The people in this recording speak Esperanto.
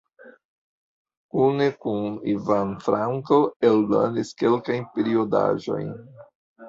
Kune kun Ivan Franko eldonis kelkajn periodaĵojn.